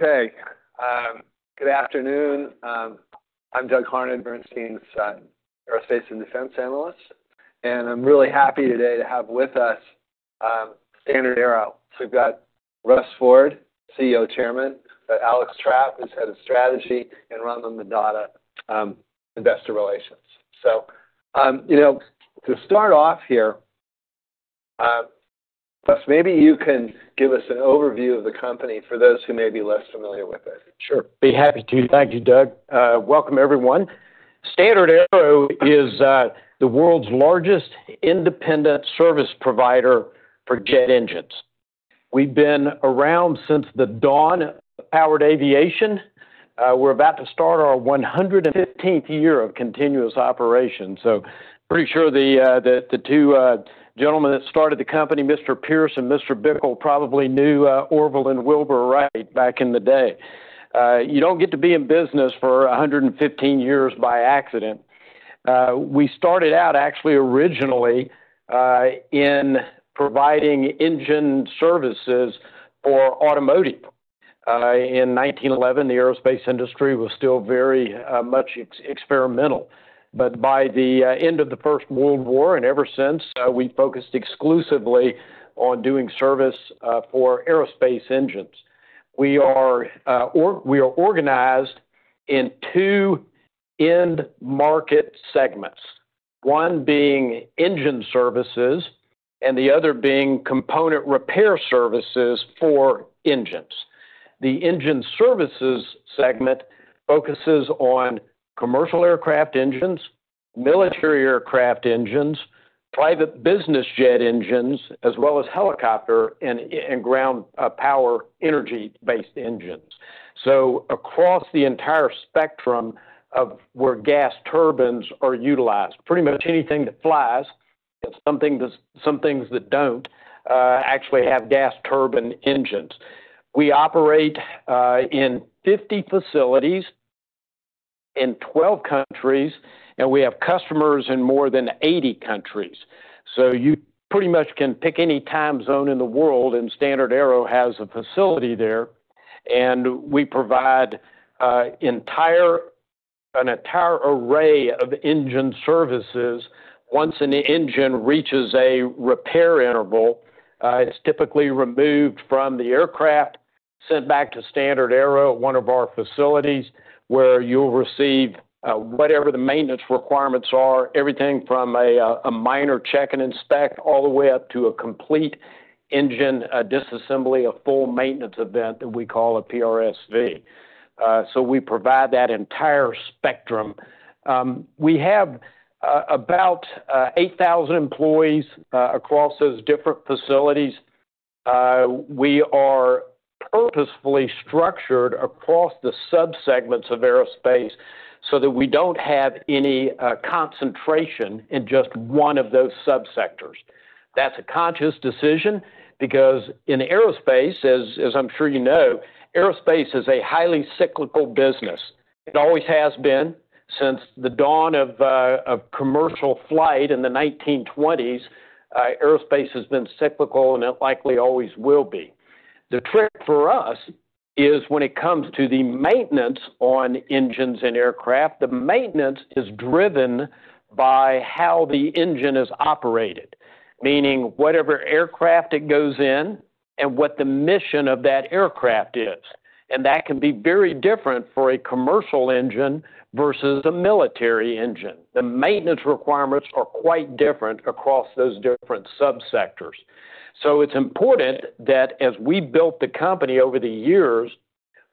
Okay. Good afternoon. I'm Doug Harned, Bernstein's Aerospace and Defense Analyst. And I'm really happy today to have with us, StandardAero. So we've got Russell Ford, CEO/Chairman, Alex Trapp, who's Head of Strategy, and Rama Bondada, investor relations. So, you know, to start off here, maybe you can give us an overview of the company for those who may be less familiar with it. Sure. Be happy to. Thank you, Doug. Welcome, everyone. StandardAero is the world's largest independent service provider for jet engines. We've been around since the dawn of powered aviation. We're about to start our 115th year of continuous operation, so pretty sure the two gentlemen that started the company, Mr. Pearce and Mr. Bickell, probably knew Orville and Wilbur Wright back in the day. You don't get to be in business for 115 years by accident. We started out, actually, originally, in providing Engine Services for automotive. In 1911, the aerospace industry was still very much experimental, but by the end of the First World War and ever since, we focused exclusively on doing service for aerospace engines. We are organized in two end-market segments, one being Engine Services and the other being Component Repair Services for engines. The Engine Services segment focuses on commercial aircraft engines, military aircraft engines, private business jet engines, as well as helicopter and ground power energy-based engines. So across the entire spectrum of where gas turbines are utilized, pretty much anything that flies and some things that don't, actually have gas turbine engines. We operate in 50 facilities in 12 countries, and we have customers in more than 80 countries. So you pretty much can pick any time zone in the world, and StandardAero has a facility there. And we provide an entire array of Engine Services. Once an engine reaches a repair interval, it's typically removed from the aircraft, sent back to StandardAero at one of our facilities where you'll receive whatever the maintenance requirements are, everything from a minor check and inspect all the way up to a complete engine disassembly, a full maintenance event that we call a PRSV, so we provide that entire spectrum. We have about 8,000 employees across those different facilities. We are purposefully structured across the subsegments of aerospace so that we don't have any concentration in just one of those subsectors. That's a conscious decision because in aerospace, as I'm sure you know, aerospace is a highly cyclical business. It always has been since the dawn of commercial flight in the 1920s. Aerospace has been cyclical, and it likely always will be. The trick for us is when it comes to the maintenance on engines and aircraft, the maintenance is driven by how the engine is operated, meaning whatever aircraft it goes in and what the mission of that aircraft is. And that can be very different for a commercial engine versus a military engine. The maintenance requirements are quite different across those different subsectors. So it's important that as we built the company over the years,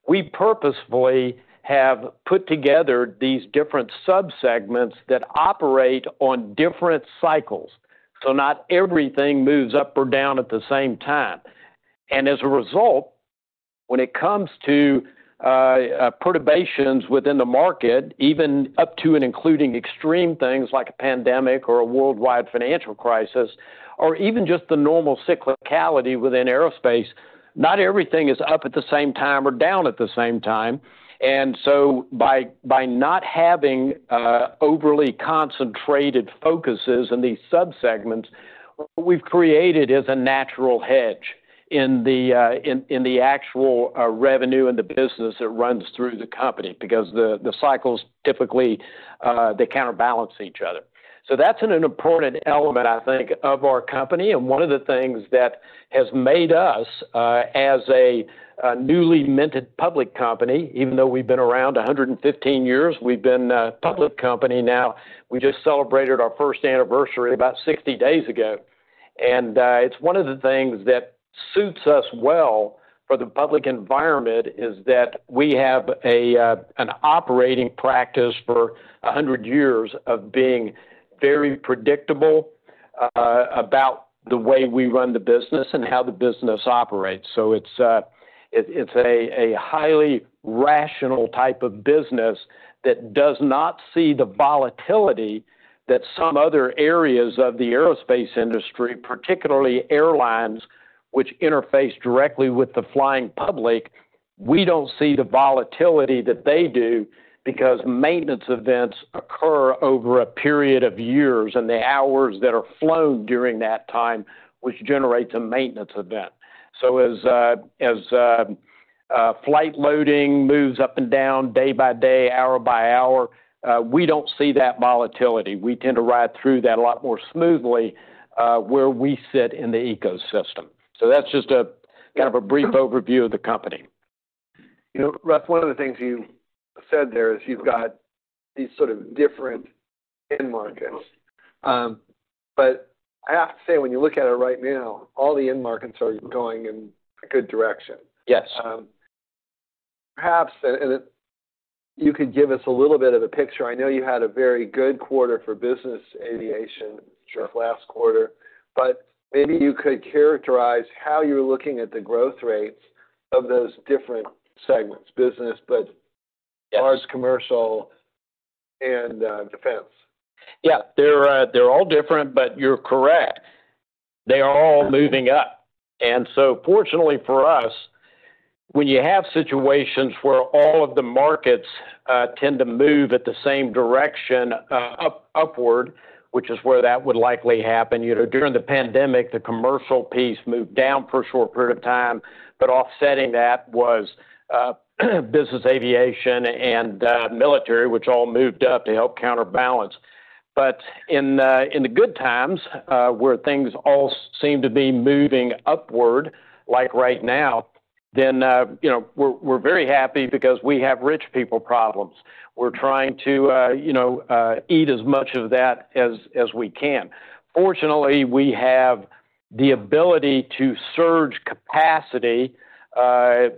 we purposefully have put together these different subsegments that operate on different cycles so not everything moves up or down at the same time. And as a result, when it comes to perturbations within the market, even up to and including extreme things like a pandemic or a worldwide financial crisis, or even just the normal cyclicality within aerospace, not everything is up at the same time or down at the same time. And so by not having overly concentrated focuses in these subsegments, what we've created is a natural hedge in the actual revenue and the business that runs through the company because the cycles typically counterbalance each other. So that's an important element, I think, of our company. And one of the things that has made us as a newly minted public company, even though we've been around 115 years, we've been a public company now. We just celebrated our first anniversary about 60 days ago. And it's one of the things that suits us well for the public environment is that we have an operating practice for 100 years of being very predictable about the way we run the business and how the business operates. So it's a highly rational type of business that does not see the volatility that some other areas of the aerospace industry, particularly airlines, which interface directly with the flying public. We don't see the volatility that they do because maintenance events occur over a period of years, and the hours that are flown during that time which generates a maintenance event. So as flight loading moves up and down day by day, hour by hour, we don't see that volatility. We tend to ride through that a lot more smoothly, where we sit in the ecosystem. So that's just a kind of a brief overview of the company. You know, Russ, one of the things you said there is you've got these sort of different end markets, but I have to say, when you look at it right now, all the end markets are going in a good direction. Yes. Perhaps, and you could give us a little bit of a picture. I know you had a very good quarter for business aviation. Sure. This last quarter, but maybe you could characterize how you're looking at the growth rates of those different segments, business, but. Yes. Large commercial and defense. Yeah. They're all different, but you're correct. They are all moving up and so fortunately for us, when you have situations where all of the markets tend to move at the same direction, upward, which is where that would likely happen, you know, during the pandemic, the commercial piece moved down for a short period of time but offsetting that was business aviation and military, which all moved up to help counterbalance but in the good times, where things all seem to be moving upward, like right now, then you know, we're very happy because we have rich people problems. We're trying to, you know, eat as much of that as we can. Fortunately, we have the ability to surge capacity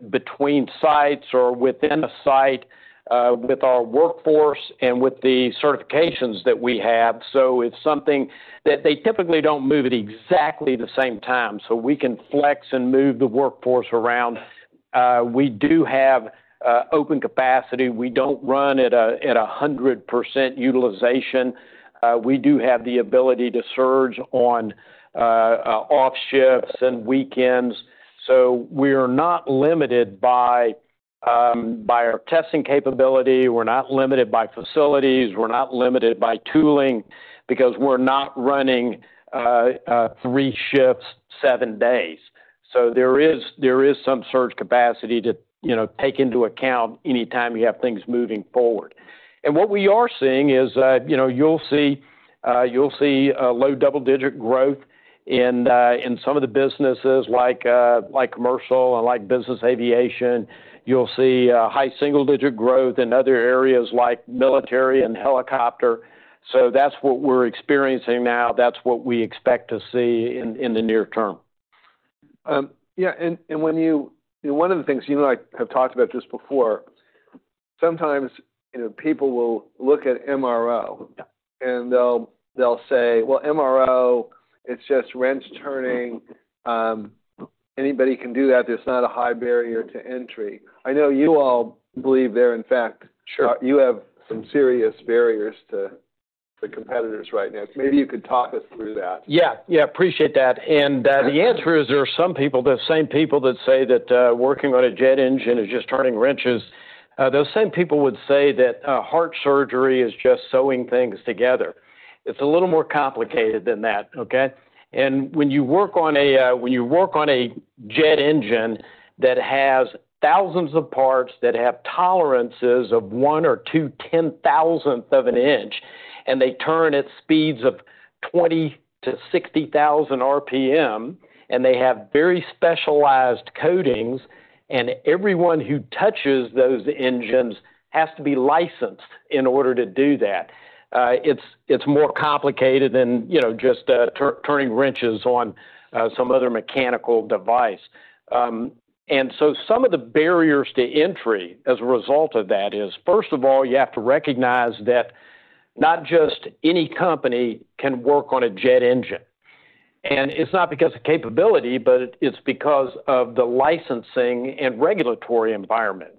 between sites or within a site, with our workforce and with the certifications that we have. So it's something that they typically don't move at exactly the same time. So we can flex and move the workforce around. We do have open capacity. We don't run at 100% utilization. We do have the ability to surge on off-shifts and weekends. So we are not limited by our testing capability. We're not limited by facilities. We're not limited by tooling because we're not running three shifts, seven days. So there is some surge capacity to, you know, take into account anytime you have things moving forward. And what we are seeing is, you know, you'll see low double-digit growth in some of the businesses like commercial and business aviation. You'll see high single-digit growth in other areas like military and helicopter. So that's what we're experiencing now. That's what we expect to see in the near term. Yeah. And when you, you know, one of the things, you know, I have talked about this before, sometimes, you know, people will look at MRO, and they'll say, Well, MRO, it's just wrench turning. Anybody can do that. There's not a high barrier to entry. I know you all believe there, in fact. Sure. You have some serious barriers to competitors right now. Maybe you could talk us through that. Yeah. Yeah. Appreciate that. And, the answer is there are some people, the same people that say that working on a jet engine is just turning wrenches. Those same people would say that heart surgery is just sewing things together. It's a little more complicated than that, okay? And when you work on a jet engine that has thousands of parts that have tolerances of one or two ten-thousandths of an inch, and they turn at speeds of 20,000 RPM-60,000 RPM, and they have very specialized coatings, and everyone who touches those engines has to be licensed in order to do that. It's more complicated than, you know, just turning wrenches on some other mechanical device. And so some of the barriers to entry as a result of that is, first of all, you have to recognize that not just any company can work on a jet engine. And it's not because of capability, but it's because of the licensing and regulatory environment.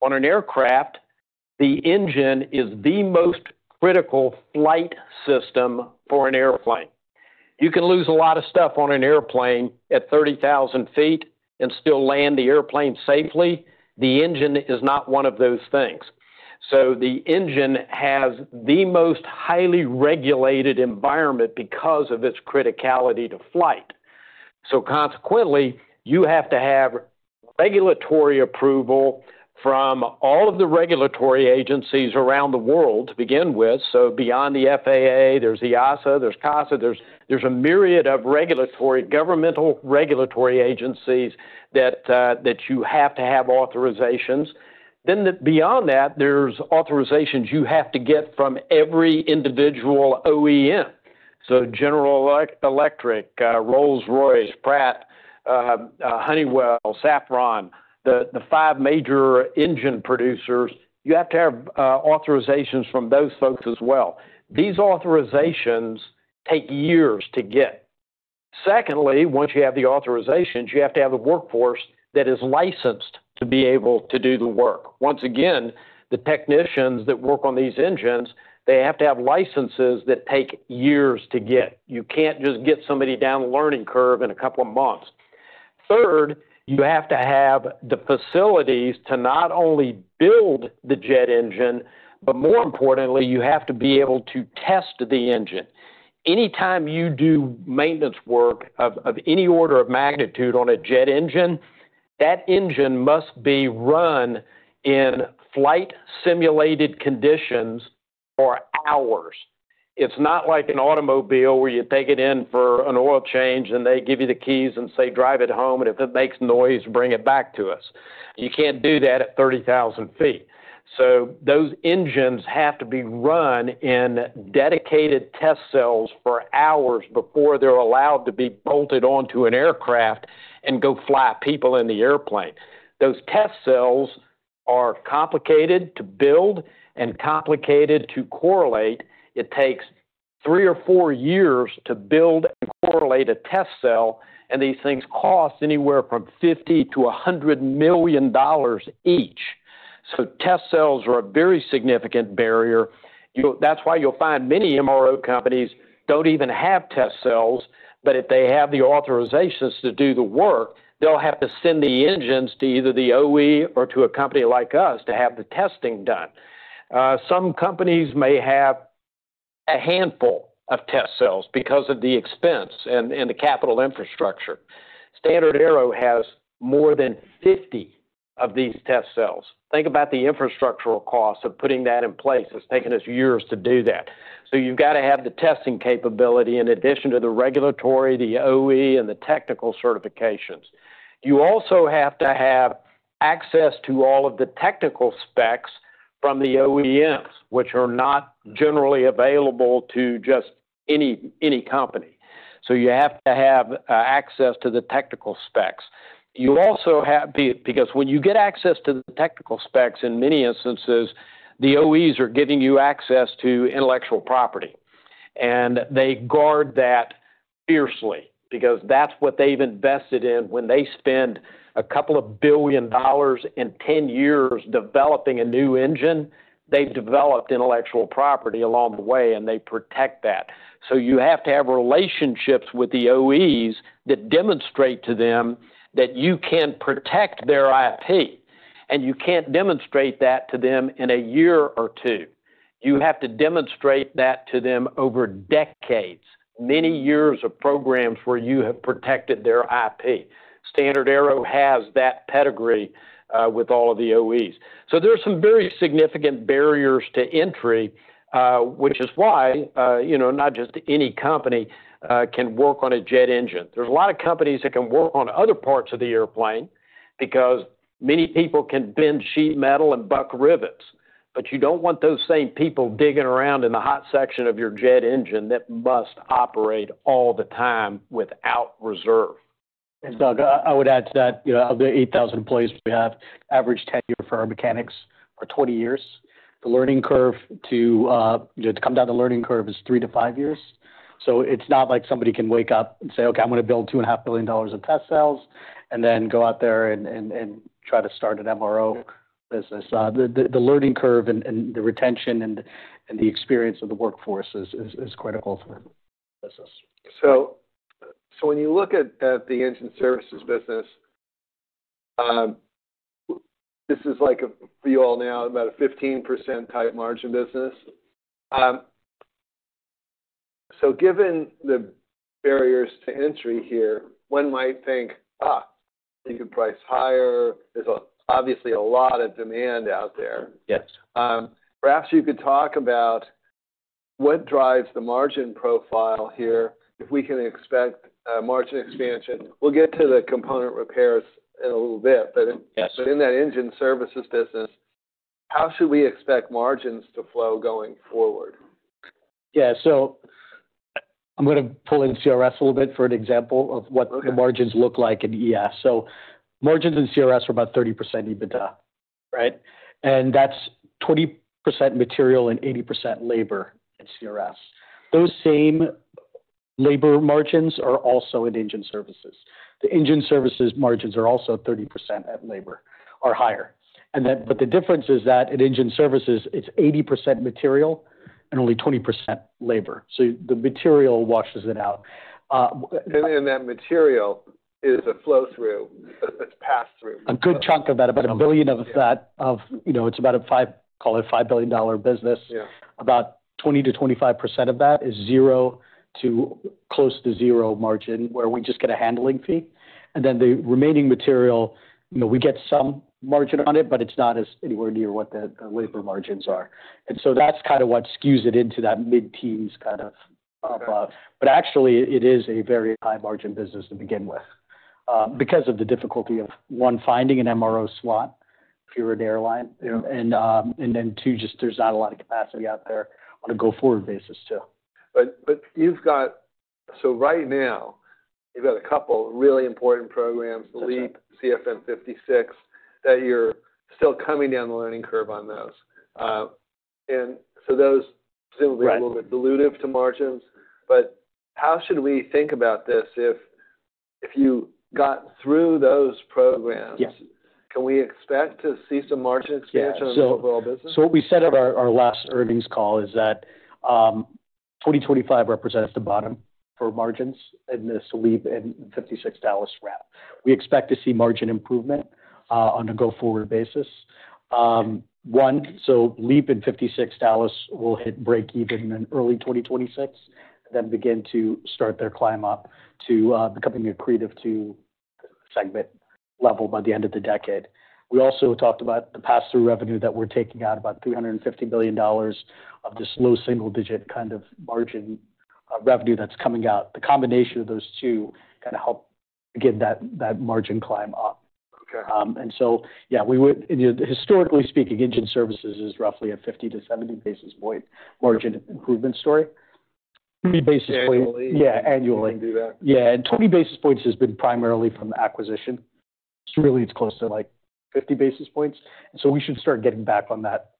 On an aircraft, the engine is the most critical flight system for an airplane. You can lose a lot of stuff on an airplane at 30,000 feet and still land the airplane safely. The engine is not one of those things. So the engine has the most highly regulated environment because of its criticality to flight. So consequently, you have to have regulatory approval from all of the regulatory agencies around the world to begin with. So beyond the FAA, there's EASA, there's CASA, there's a myriad of regulatory governmental regulatory agencies that you have to have authorizations. Then beyond that, there's authorizations you have to get from every individual OEM. So General Electric, Rolls-Royce, Pratt, Honeywell, Safran, the five major engine producers, you have to have authorizations from those folks as well. These authorizations take years to get. Secondly, once you have the authorizations, you have to have the workforce that is licensed to be able to do the work. Once again, the technicians that work on these engines, they have to have licenses that take years to get. You can't just get somebody down the learning curve in a couple of months. Third, you have to have the facilities to not only build the jet engine, but more importantly, you have to be able to test the engine. Anytime you do maintenance work of any order of magnitude on a jet engine, that engine must be run in flight-simulated conditions for hours. It's not like an automobile where you take it in for an oil change, and they give you the keys and say, Drive it home, and if it makes noise, bring it back to us. You can't do that at 30,000 feet, so those engines have to be run in dedicated test cells for hours before they're allowed to be bolted onto an aircraft and go fly people in the airplane. Those test cells are complicated to build and complicated to correlate. It takes three or four years to build and correlate a test cell, and these things cost anywhere from $50 million-$100 million each, so test cells are a very significant barrier. You'll, that's why you'll find many MRO companies don't even have test cells, but if they have the authorizations to do the work, they'll have to send the engines to either the OE or to a company like us to have the testing done. Some companies may have a handful of test cells because of the expense and the capital infrastructure. StandardAero has more than 50 of these test cells. Think about the infrastructural costs of putting that in place. It's taken us years to do that. So you've got to have the testing capability in addition to the regulatory, the OE, and the technical certifications. You also have to have access to all of the technical specs from the OEMs, which are not generally available to just any company. So you have to have access to the technical specs. You also have, because when you get access to the technical specs, in many instances, the OEMs are giving you access to intellectual property, and they guard that fiercely because that's what they've invested in. When they spend a couple of billion dollars in 10 years developing a new engine, they've developed intellectual property along the way, and they protect that. So you have to have relationships with the OEMs that demonstrate to them that you can protect their IP, and you can't demonstrate that to them in a year or two. You have to demonstrate that to them over decades, many years of programs where you have protected their IP. StandardAero has that pedigree, with all of the OEMs. So there's some very significant barriers to entry, which is why, you know, not just any company, can work on a jet engine. There's a lot of companies that can work on other parts of the airplane because many people can bend sheet metal and buck rivets. But you don't want those same people digging around in the hot section of your jet engine that must operate all the time without reserve. And Doug, I would add to that, you know, of the 8,000 employees we have, average tenure for our mechanics are 20 years. The learning curve, you know, to come down the learning curve is three to five years. So it's not like somebody can wake up and say, Okay, I'm going to build $2.5 billion of test cells and then go out there and try to start an MRO business. The learning curve and the retention and the experience of the workforce is critical to the business. So when you look at the Engine Services business, this is like a, for you all now, about a 15% tight margin business. So given the barriers to entry here, one might think you can price higher. There's obviously a lot of demand out there. Yes. Perhaps you could talk about what drives the margin profile here, if we can expect margin expansion. We'll get to the Component Repairs in a little bit, but. Yes. But in that Engine Services business, how should we expect margins to flow going forward? Yeah. So I'm going to pull in CRS a little bit for an example of what the margins look like in ES. So margins in CRS are about 30% EBITDA, right? And that's 20% material and 80% labor in CRS. Those same labor margins are also in Engine Services. The Engine Services margins are also 30% at labor or higher. And that, but the difference is that in Engine Services, it's 80% material and only 20% labor. So the material washes it out. That material is a flow-through, pass-through. A good chunk of that, about a billion of that, you know, it's about a five, call it $5 billion business. Yeah. About 20%-25% of that is zero to close to zero margin where we just get a handling fee, and then the remaining material, you know, we get some margin on it, but it's not as anywhere near what the labor margins are, and so that's kind of what skews it into that mid-teens kind of above, but actually, it is a very high-margin business to begin with, because of the difficulty of one, finding an MRO slot if you're an airline. Yeah. Then too, just there's not a lot of capacity out there on a go-forward basis too. But right now, you've got a couple really important programs, LEAP, CFM56, that you're still coming down the learning curve on those. So those presumably are a little bit dilutive to margins. But how should we think about this? If you got through those programs. Yes. Can we expect to see some margin expansion in the overall business? Yeah. So what we said at our last earnings call is that 2025 represents the bottom for margins in this LEAP and CFM56 Dallas shop. We expect to see margin improvement on a go-forward basis, so LEAP and CFM56 Dallas will hit break-even in early 2026, then begin to start their climb up to becoming a creative two-segment level by the end of the decade. We also talked about the pass-through revenue that we're taking out, about $350 million of this low single-digit kind of margin revenue that's coming out. The combination of those two kind of help begin that margin climb up. Okay. And so, yeah, we would, you know, historically speaking, Engine Services is roughly a 50 to 70 basis point margin improvement story. 20 basis points. Annually? Yeah, annually. Can do that? Yeah, and 20 basis points has been primarily from acquisition. It's really, it's close to like 50 basis points, and so we should start getting back on that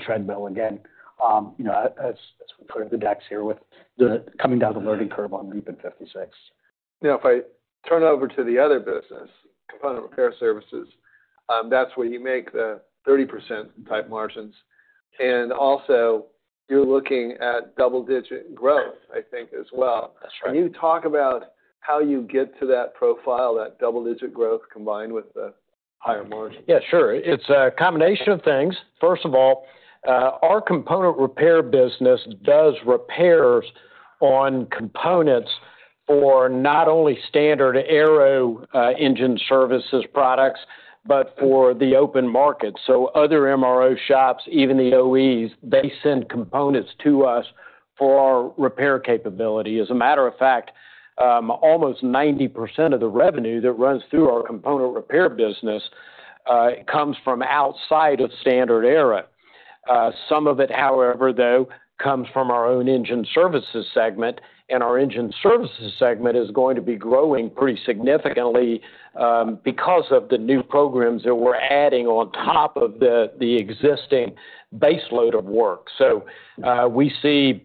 treadmill again, you know, as we put in the decks here with the coming down the learning curve on LEAP and CFM56. Now, if I turn over to the other business, Component Repair Services, that's where you make the 30%-type margins. And also, you're looking at double-digit growth, I think, as well. That's right. Can you talk about how you get to that profile, that double-digit growth combined with the higher margins? Yeah, sure. It's a combination of things. First of all, our component repair business does repairs on components for not only StandardAero Engine Services products, but for the open market. So other MRO shops, even the OEs, they send components to us for our repair capability. As a matter of fact, almost 90% of the revenue that runs through our Component Repair business comes from outside of StandardAero. Some of it, however, though, comes from our own Engine Services segment, and our Engine Services segment is going to be growing pretty significantly, because of the new programs that we're adding on top of the existing baseload of work. We see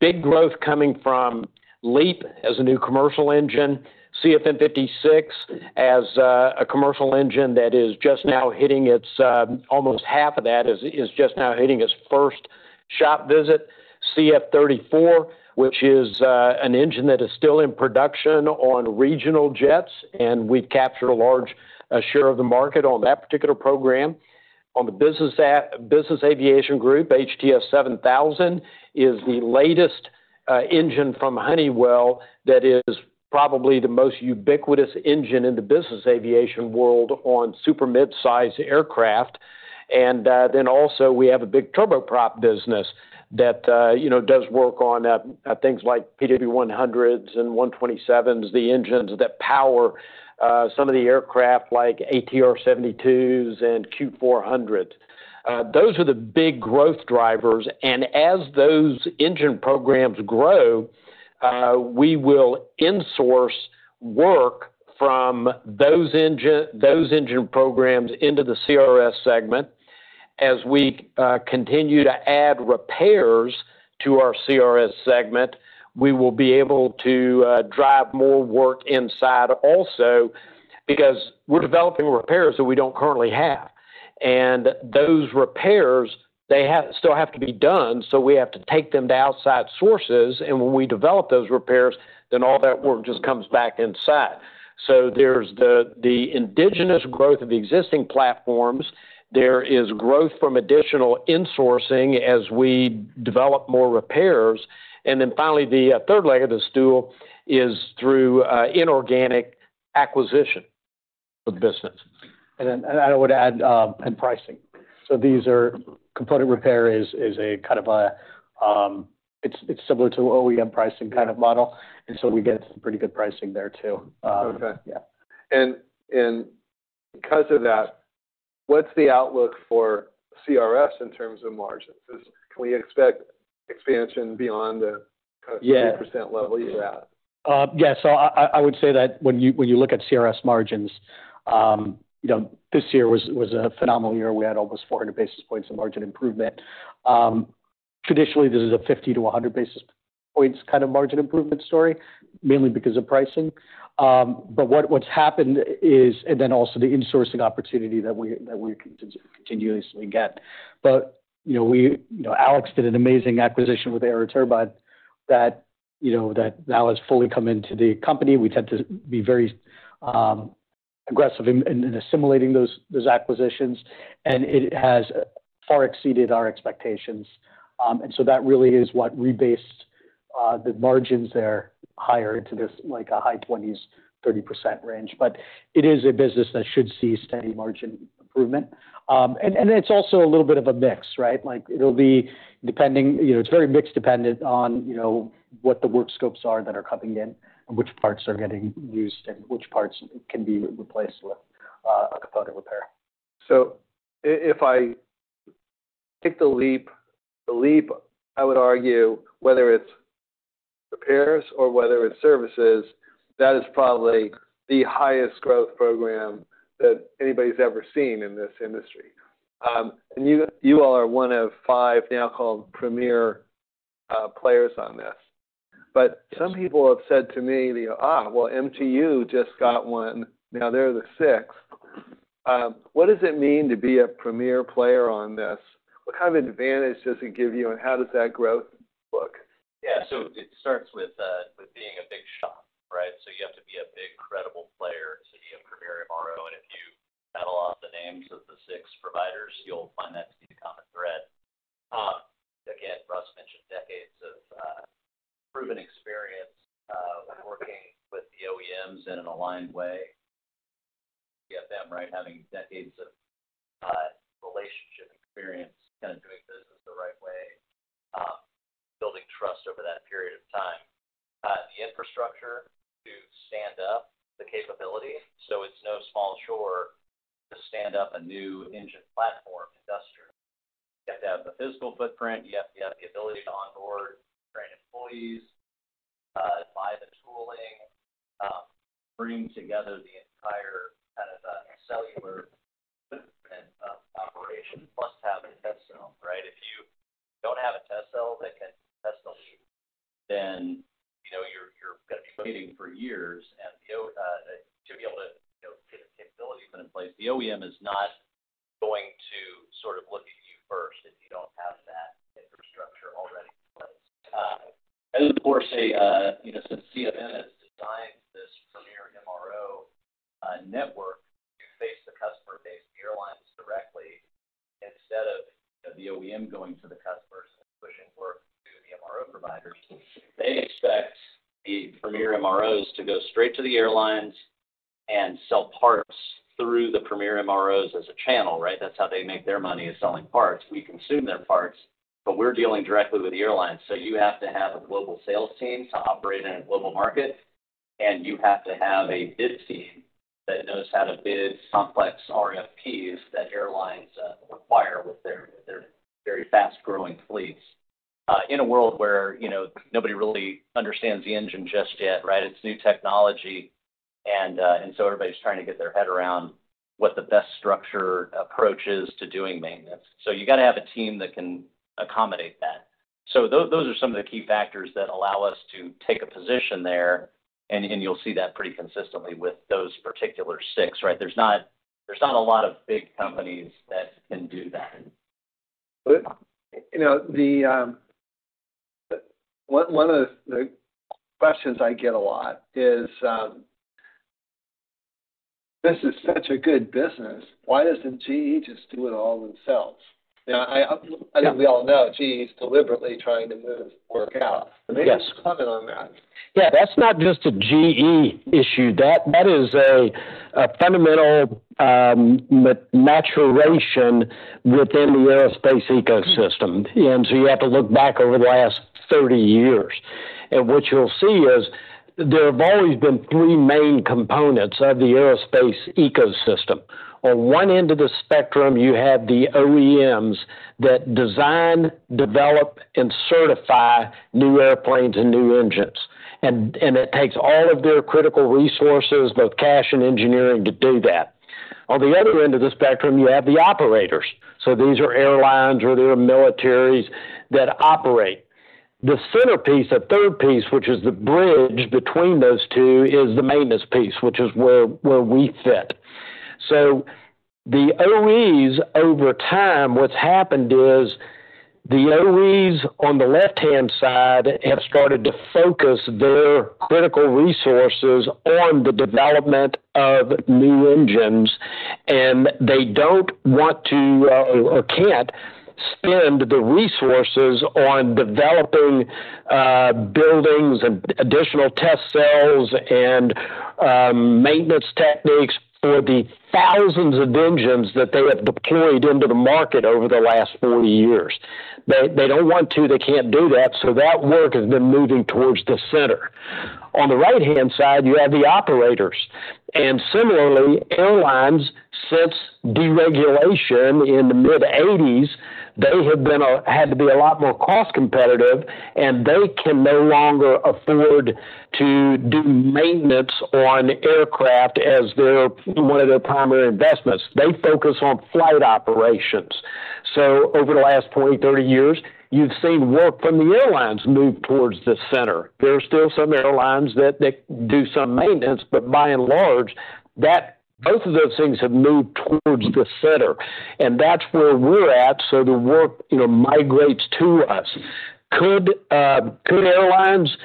big growth coming from LEAP as a new commercial engine, CFM56 as a commercial engine that is just now hitting its. Almost half of that is just now hitting its first shop visit, CF34, which is an engine that is still in production on regional jets, and we've captured a large share of the market on that particular program. On the business aviation group, HTF7000 is the latest engine from Honeywell that is probably the most ubiquitous engine in the business aviation world on super mid-sized aircraft, and then also we have a big turboprop business that you know does work on things like PW100s and PW127s, the engines that power some of the aircraft like ATR 72s and Q400s. Those are the big growth drivers. As those engine programs grow, we will insource work from those engine programs into the CRS segment. As we continue to add repairs to our CRS segment, we will be able to drive more work inside also because we're developing repairs that we don't currently have. And those repairs, they still have to be done, so we have to take them to outside sources. And when we develop those repairs, then all that work just comes back inside. So there's the endogenous growth of existing platforms. There is growth from additional insourcing as we develop more repairs. And then finally, the third leg of the stool is through inorganic acquisition of the business. I would add, and pricing. So these are component repair is a kind of, it's similar to OEM pricing kind of model. And so we get some pretty good pricing there too. Okay. Yeah. Because of that, what's the outlook for CRS in terms of margins? Can we expect expansion beyond the kind of 20% level you're at? Yeah, so I would say that when you look at CRS margins, you know, this year was a phenomenal year. We had almost 400 basis points of margin improvement. Traditionally, this is a 50 basis points to 100 basis points kind of margin improvement story, mainly because of pricing, but what's happened is, and then also the insourcing opportunity that we continuously get. You know, Alex did an amazing acquisition with AeroTurbine that now has fully come into the company. We tend to be very aggressive in assimilating those acquisitions, and it has far exceeded our expectations, and so that really is what rebased the margins there higher into this, like, high 20s, 30% range, but it is a business that should see steady margin improvement. It's also a little bit of a mix, right? Like, it'll be depending, you know, it's very mixed dependent on, you know, what the work scopes are that are coming in and which parts are getting used and which parts can be replaced with a component repair. So if I take the LEAP, I would argue whether it's repairs or whether it's services, that is probably the highest growth program that anybody's ever seen in this industry. And you all are one of five now called premier players on this. But some people have said to me, you know, well, MTU just got one. Now they're the sixth. What does it mean to be a premier player on this? What kind of advantage does it give you, and how does that growth look? Yeah. So it starts with being a big shop, right? So you have to be a big, credible player to be a premier MRO. And if you model the names of the six providers, you'll find that to be a common thread. Again, Russ mentioned decades of proven experience, working with the OEMs in an aligned way. You get them, right, having decades of relationship experience kind of doing business the right way, building trust over that period of time. The infrastructure to stand up the capability. So it's no small chore to stand up a new engine platform, industrial. You have to have the physical footprint. You have to have the ability to onboard, train employees, buy the tooling, bring together the entire kind of cellular equipment, operation. Must have a test cell, right? If you don't have a test cell that can test the LEAP, then, you know, you're going to be waiting for years. To be able to, you know, get the capabilities in place, the OEM is not going to sort of look at you first if you don't have that infrastructure already in place. Of course, you know, since CFM has designed this premier MRO network to face the customer-based airlines directly instead of, you know, the OEM going to the customers and pushing work to the MRO providers, they expect the premier MROs to go straight to the airlines and sell parts through the premier MROs as a channel, right? That's how they make their money is selling parts. We consume their parts, but we're dealing directly with the airlines. So you have to have a global sales team to operate in a global market, and you have to have a bid team that knows how to bid. Complex RFPs that airlines require with their very fast-growing fleets, in a world where, you know, nobody really understands the engine just yet, right? It's new technology. And so everybody's trying to get their head around what the best structure approach is to doing maintenance. So you got to have a team that can accommodate that. So those are some of the key factors that allow us to take a position there. And you'll see that pretty consistently with those particular six, right? There's not a lot of big companies that can do that. But, you know, the one of the questions I get a lot is, This is such a good business. Why doesn't GE just do it all themselves? You know, I think we all know GE is deliberately trying to move work out. Yes. So, maybe just comment on that. Yeah. That's not just a GE issue. That is a fundamental maturation within the aerospace ecosystem. And so you have to look back over the last 30 years. And what you'll see is there have always been three main components of the aerospace ecosystem. On one end of the spectrum, you have the OEMs that design, develop, and certify new airplanes and new engines. And it takes all of their critical resources, both cash and engineering, to do that. On the other end of the spectrum, you have the operators. So these are airlines or their militaries that operate. The centerpiece, a third piece, which is the bridge between those two, is the maintenance piece, which is where we fit. So the OEMs over time, what's happened is the OEMs on the left-hand side have started to focus their critical resources on the development of new engines, and they don't want to or can't spend the resources on developing buildings and additional test cells and maintenance techniques for the thousands of engines that they have deployed into the market over the last 40 years. They don't want to. They can't do that. So that work has been moving towards the center. On the right-hand side, you have the operators. And similarly, airlines, since deregulation in the mid-1980s, they have had to be a lot more cost competitive, and they can no longer afford to do maintenance on aircraft as one of their primary investments. They focus on flight operations. So over the last 20 years, 30 years, you've seen work from the airlines move towards the center. There are still some airlines that do some maintenance, but by and large, that both of those things have moved toward the center. And that's where we're at. So the work, you know, migrates to us. Could airlines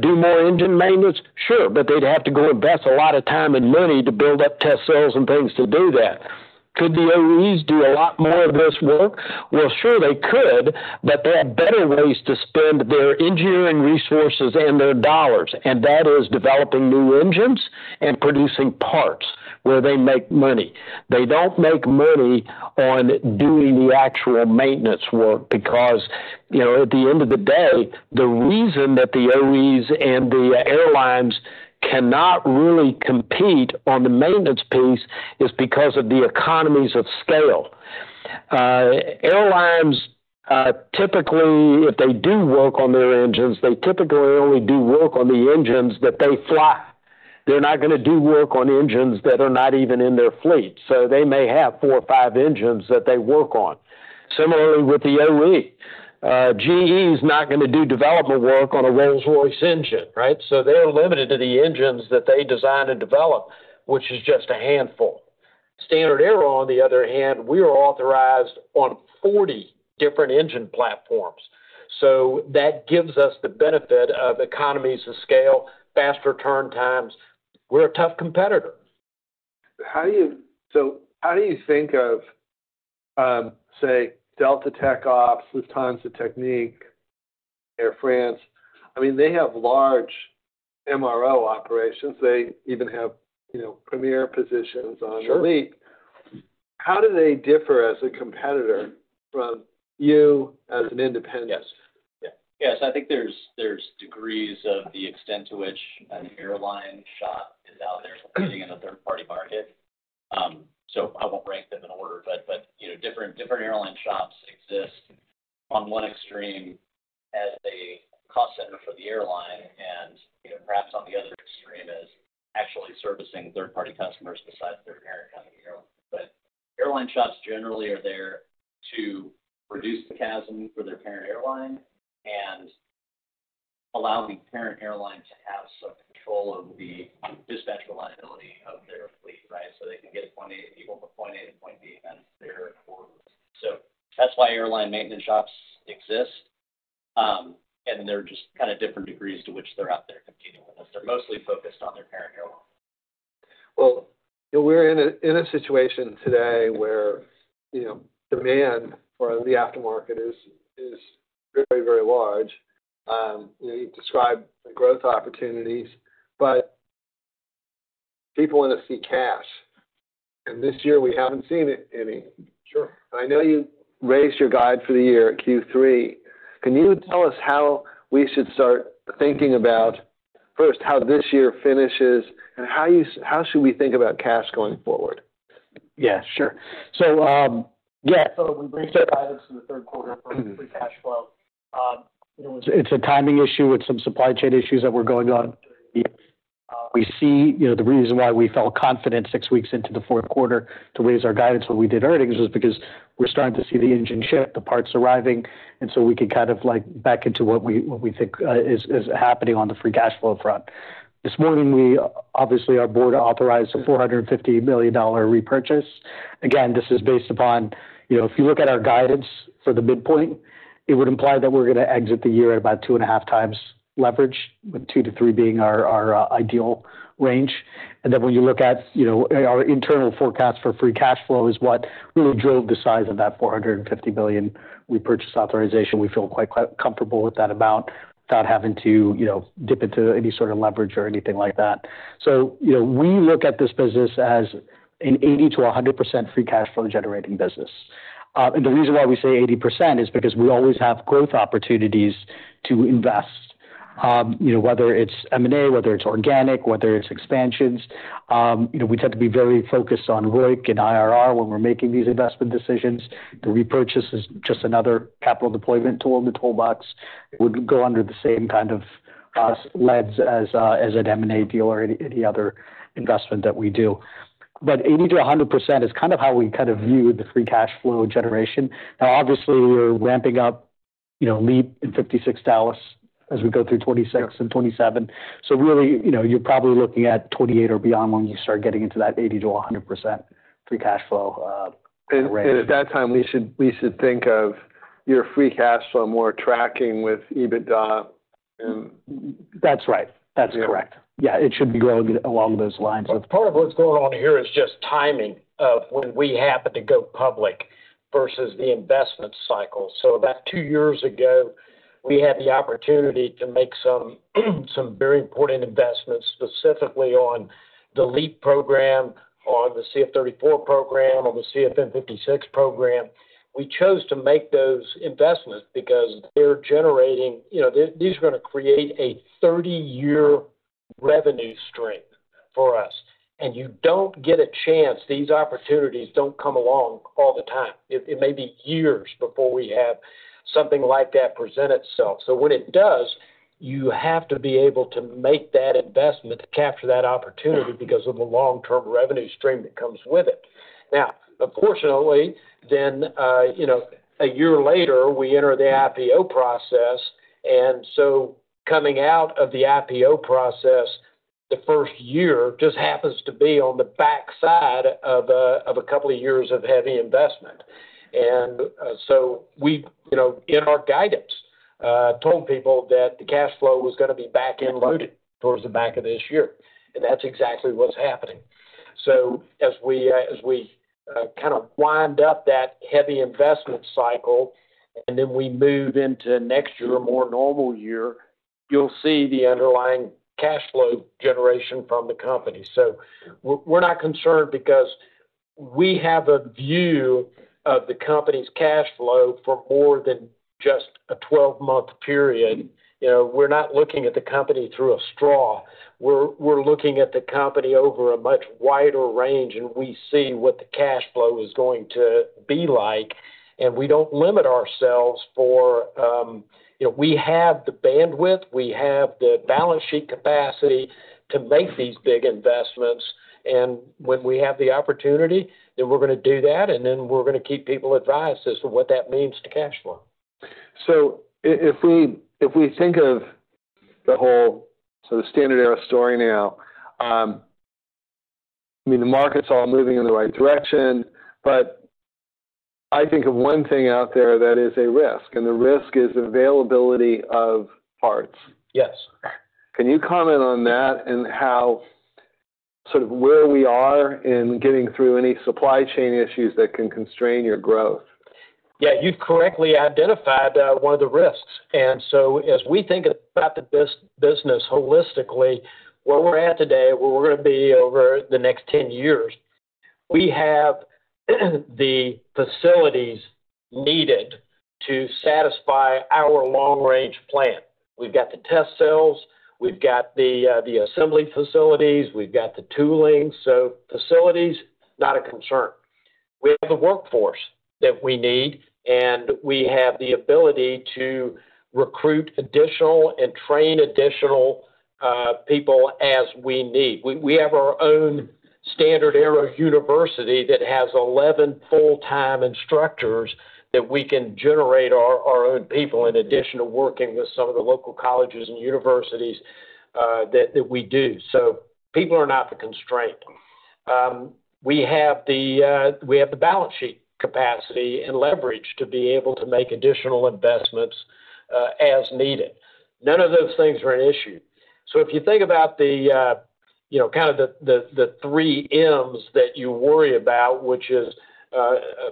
do more engine maintenance? Sure. But they'd have to go invest a lot of time and money to build up test cells and things to do that. Could the OEs do a lot more of this work? Well, sure, they could, but they have better ways to spend their engineering resources and their dollars. And that is developing new engines and producing parts where they make money. They don't make money on doing the actual maintenance work because, you know, at the end of the day, the reason that the OEs and the airlines cannot really compete on the maintenance piece is because of the economies of scale. Airlines, typically, if they do work on their engines, they typically only do work on the engines that they fly. They're not going to do work on engines that are not even in their fleet. So they may have four or five engines that they work on. Similarly with the OEM, GE is not going to do development work on a Rolls-Royce engine, right? So they're limited to the engines that they design and develop, which is just a handful. StandardAero, on the other hand, we are authorized on 40 different engine platforms. So that gives us the benefit of economies of scale, faster turn times. We're a tough competitor. How do you think of, say, Delta TechOps, Lufthansa Technik, Air France? I mean, they have large MRO operations. They even have, you know, premier positions on LEAP. How do they differ as a competitor from you as an independent? Yes. Yeah. So I think there's degrees of the extent to which an airline shop is out there competing in a third-party market. So I won't rank them in order, but, you know, different airline shops exist on one extreme as a cost center for the airline, and, you know, perhaps on the other extreme as actually servicing third-party customers besides their parent company. But airline shops generally are there to produce the capacity for their parent airline and allow the parent airline to have some control of the dispatch reliability of their fleet, right? So they can get point A to point B, point A to point B, kind of their orders. So that's why airline maintenance shops exist. And they're just kind of different degrees to which they're out there competing with us. They're mostly focused on their parent airline. You know, we're in a situation today where, you know, demand for the aftermarket is very, very large. You know, you described the growth opportunities, but people want to see cash, and this year we haven't seen any. Sure. I know you raised your guidance for the year at Q3. Can you tell us how we should start thinking about first how this year finishes and how should we think about cash going forward? Yeah. Sure. So we raised our guidance for the third quarter for cash flow. You know, it's a timing issue with some supply chain issues that were going on during the year. We see, you know, the reason why we felt confident six weeks into the fourth quarter to raise our guidance when we did earnings was because we're starting to see the engine ship, the parts arriving, and so we can kind of like back into what we think is happening on the free cash flow front. This morning, obviously, our board authorized a $450 million repurchase. Again, this is based upon, you know, if you look at our guidance for the midpoint, it would imply that we're going to exit the year at about two and a half times leverage, with two to three being our ideal range. And then when you look at, you know, our internal forecast for free cash flow is what really drove the size of that $450 million repurchase authorization. We feel quite comfortable with that amount without having to, you know, dip into any sort of leverage or anything like that. So, you know, we look at this business as an 80%-100% free cash flow generating business. And the reason why we say 80% is because we always have growth opportunities to invest, you know, whether it's M&A, whether it's organic, whether it's expansions. You know, we tend to be very focused on ROIC and IRR when we're making these investment decisions. The repurchase is just another capital deployment tool in the toolbox. It would go under the same kind of lens as an M&A deal or any other investment that we do. But 80%-100% is kind of how we kind of view the free cash flow generation. Now, obviously, we're ramping up, you know, LEAP in CFM56 Dallas as we go through 2026 and 2027. So really, you know, you're probably looking at 2028 or beyond when you start getting into that 80%-100% free cash flow rate. At that time, we should think of your free cash flow more tracking with EBITDA and. That's right. That's correct. Yeah. It should be going along those lines. Part of what's going on here is just timing of when we happen to go public versus the investment cycle. So about two years ago, we had the opportunity to make some very important investments specifically on the LEAP program, on the CF34 program, on the CFM56 program. We chose to make those investments because they're generating, you know, these are going to create a 30-year revenue stream for us. And you don't get a chance, these opportunities don't come along all the time. It may be years before we have something like that present itself. So when it does, you have to be able to make that investment to capture that opportunity because of the long-term revenue stream that comes with it. Now, unfortunately, then, you know, a year later, we enter the IPO process. And so coming out of the IPO process, the first year just happens to be on the backside of a couple of years of heavy investment. And so we, you know, in our guidance, told people that the cash flow was going to be back-loaded towards the back of this year. And that's exactly what's happening. So as we kind of wind up that heavy investment cycle and then we move into next year, a more normal year, you'll see the underlying cash flow generation from the company. So we're not concerned because we have a view of the company's cash flow for more than just a 12 month period. You know, we're not looking at the company through a straw. We're looking at the company over a much wider range, and we see what the cash flow is going to be like. And we don't limit ourselves, you know, we have the bandwidth, we have the balance sheet capacity to make these big investments. And when we have the opportunity, then we're going to do that. And then we're going to keep people advised as to what that means to cash flow. So if we think of the whole, so the StandardAero story now, I mean, the market's all moving in the right direction, but I think of one thing out there that is a risk, and the risk is availability of parts. Yes. Can you comment on that and how sort of where we are in getting through any supply chain issues that can constrain your growth? Yeah. You've correctly identified one of the risks, and so as we think about the business holistically, where we're at today, where we're going to be over the next 10 years, we have the facilities needed to satisfy our long-range plan. We've got the test cells. We've got the assembly facilities. We've got the tooling. So facilities, not a concern. We have the workforce that we need, and we have the ability to recruit additional and train additional people as we need. We have our own StandardAero University that has 11 full-time instructors that we can generate our own people in addition to working with some of the local colleges and universities that we do. So people are not the constraint. We have the balance sheet capacity and leverage to be able to make additional investments as needed. None of those things are an issue. So if you think about the, you know, kind of the 3Ms that you worry about, which is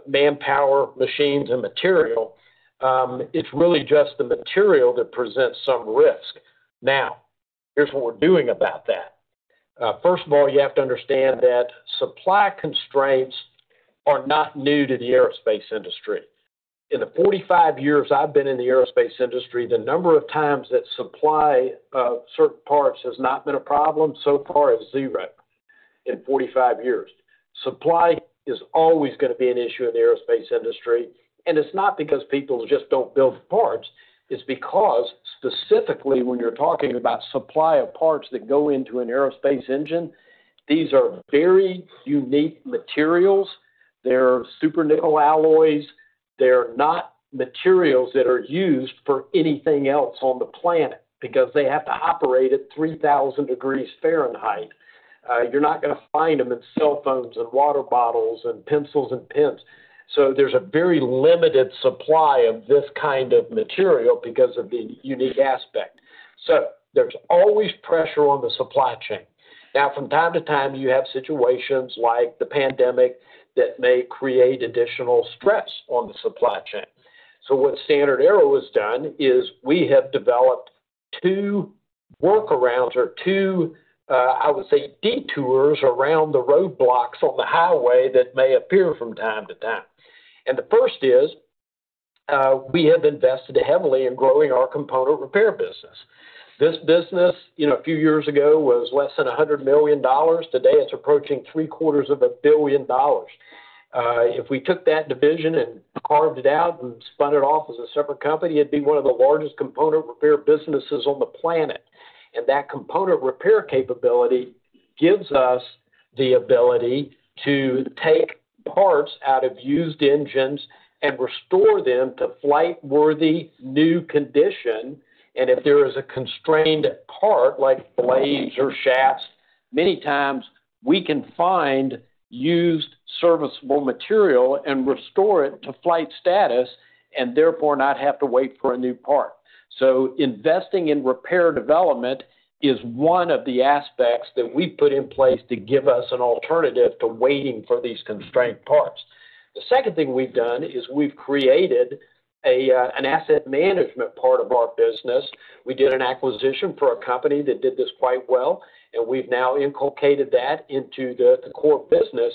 manpower, machines, and material, it's really just the material that presents some risk. Now, here's what we're doing about that. First of all, you have to understand that supply constraints are not new to the aerospace industry. In the 45 years I've been in the aerospace industry, the number of times that supply of certain parts has not been a problem so far is zero in 45 years. Supply is always going to be an issue in the aerospace industry. And it's not because people just don't build parts. It's because specifically when you're talking about supply of parts that go into an aerospace engine, these are very unique materials. They're super nickel alloys. They're not materials that are used for anything else on the planet because they have to operate at 3,000 degrees Fahrenheit. You're not going to find them in cell phones and water bottles and pencils and pens. So there's a very limited supply of this kind of material because of the unique aspect. So there's always pressure on the supply chain. Now, from time to time, you have situations like the pandemic that may create additional stress on the supply chain. So what StandardAero has done is we have developed two workarounds or two, I would say detours around the roadblocks on the highway that may appear from time to time. And the first is, we have invested heavily in growing our component repair business. This business, you know, a few years ago was less than $100 million. Today, it's approaching $750 million. If we took that division and carved it out and spun it off as a separate company, it'd be one of the largest component repair businesses on the planet. And that component repair capability gives us the ability to take parts out of used engines and restore them to flight-worthy new condition. And if there is a constrained part, like blades or shafts, many times we can find used serviceable material and restore it to flight status and therefore not have to wait for a new part. So investing in repair development is one of the aspects that we've put in place to give us an alternative to waiting for these constrained parts. The second thing we've done is we've created an asset management part of our business. We did an acquisition for a company that did this quite well, and we've now inculcated that into the core business.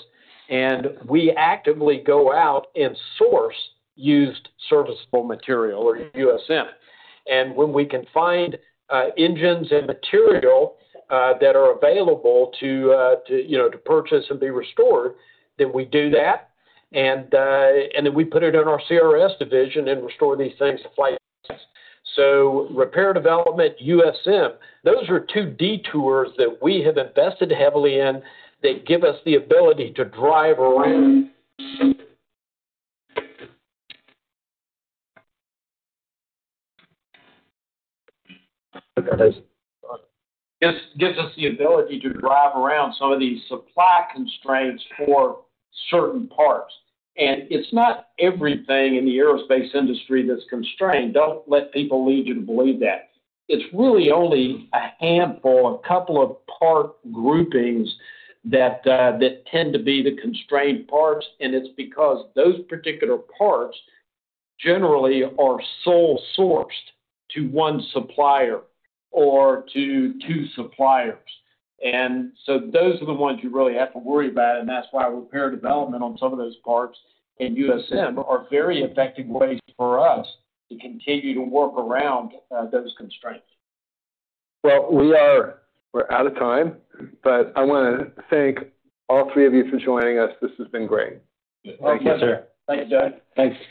We actively go out and source used serviceable material or USM. When we can find engines and material that are available to you know to purchase and be restored, then we do that. Then we put it in our CRS division and restore these things to flight status. Repair development, USM, those are two detours that we have invested heavily in that give us the ability to drive around. It gives us the ability to drive around some of these supply constraints for certain parts. And it's not everything in the aerospace industry that's constrained. Don't let people lead you to believe that. It's really only a handful, a couple of part groupings that tend to be the constrained parts. And it's because those particular parts generally are sole-sourced to one supplier or to two suppliers. And so those are the ones you really have to worry about. And that's why repair development on some of those parts and USM are very effective ways for us to continue to work around those constraints. We're out of time, but I want to thank all three of you for joining us. This has been great. Thank you, sir. Thank you, Doug. Thanks.